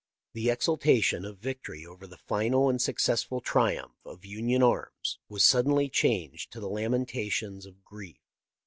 The exultation of victory over the final and successful triumph of Union arms was suddenly changed to the lamenta tions of grief.